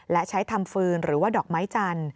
และใช้ทำฟืนหรือว่าดอกไม้จันทร์